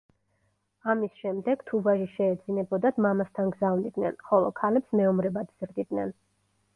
ამის შემდეგ, თუ ვაჟი შეეძინებოდათ, მამასთან გზავნიდნენ, ხოლო ქალებს მეომრებად ზრდიდნენ.